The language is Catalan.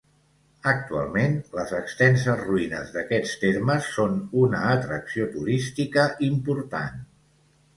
Actualment, les extenses ruïnes d'aquestes termes són una atracció turística important.